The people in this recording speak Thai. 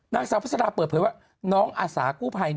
นางสาวพัสราเปิดเผยว่าน้องอาสากู้ภัย